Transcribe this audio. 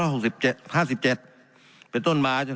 รัฐบาลชำระหนี้เงินกู้ไปแล้ว๒๕๓ล้านบาท